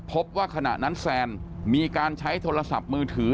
พบว่าขณะนั้นแซนมีการใช้โทรศัพท์มือถือ